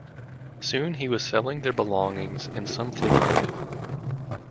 Soon he was selling their belongings in some flea market.